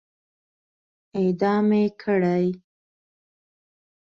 اعدام يې کړئ!